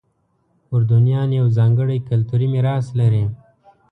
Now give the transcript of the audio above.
اردنیان یو ځانګړی کلتوري میراث لري.